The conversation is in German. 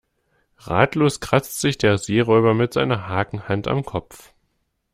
Ratlos kratzt sich der Seeräuber mit seiner Hakenhand am Kopf.